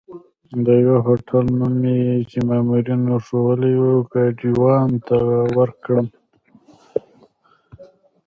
د یوه هوټل نوم مې چې مامورینو ښوولی وو، ګاډیوان ته ورکړ.